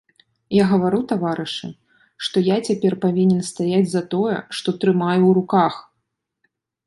Я гавару, таварышы, што я цяпер павінен стаяць за тое, што трымаю ў руках!